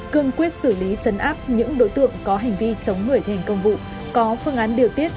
cương quyết xử lý chấn áp những đội tượng có hành vi chống nguội thể hình công vụ có phương án điều tiết